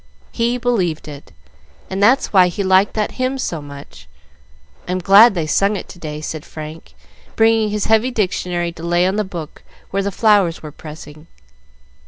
"He believed it, and that's why he liked that hymn so much. I'm glad they sung it to day," said Frank, bringing his heavy dictionary to lay on the book where the flowers were pressing.